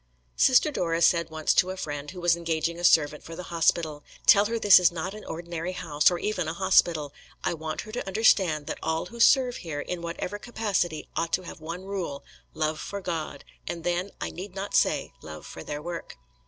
Sister Dora said once to a friend, who was engaging a servant for the hospital: "Tell her this is not an ordinary house, or even a hospital. I want her to understand that all who serve here, in whatever capacity, ought to have one rule, love for God, and then, I need not say, love for their work."